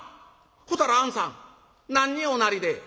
ほたらあんさん何におなりで？」。